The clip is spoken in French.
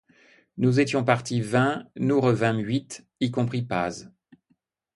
Nous étions partis vingt, nous revînmes huit, y compris Paz.